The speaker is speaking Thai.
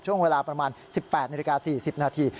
ช่วงเวลาประมาณ๑๘นาฬิกา๔๐นาที